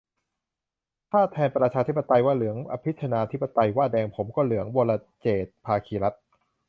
ถ้าแทนประชาธิปไตยว่าเหลือง อภิชนาธิปไตยว่าแดง ผมก็เหลือง - วรเจตน์ ภาคีรัตน์